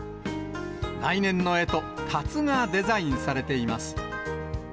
来年のえと、たつがデザインされています。